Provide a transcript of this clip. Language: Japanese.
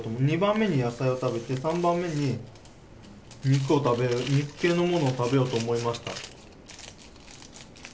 二番目に野菜を食べて三番目に肉を肉系のものを食べようと思いました。